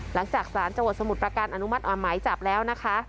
หลังจากศาลจัวร์สมุทรประกันอนุมัติอ่อนไหมจับแล้วนะคะ